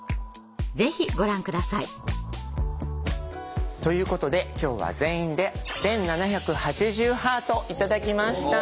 ぜひご覧下さい。ということで今日は全員で１７８０ハート頂きました。